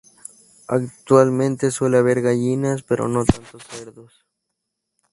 Actualmente suele haber gallinas pero no tanto cerdos.